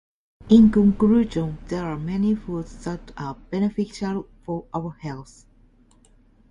In conclusion, there are many foods that are beneficial for our health.